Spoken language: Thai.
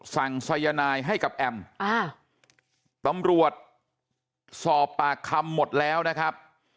สายนายให้กับแอมตำรวจสอบปากคำหมดแล้วนะครับ